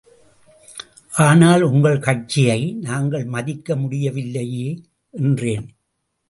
ஆனால் உங்கள் கட்சியை நாங்கள் மதிக்க முடியவில்லையே, என்றேன்.